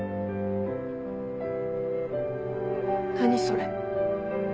何それ。